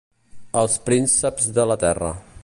Els prínceps de la terra.